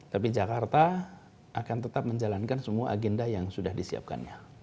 tapi jakarta akan tetap menjalankan semua agenda yang sudah disiapkannya